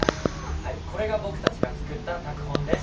これが僕たちが作った拓本です。